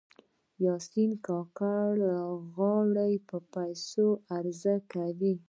یاسمین کاکړۍ غاړې په پیسو عرضه کوي.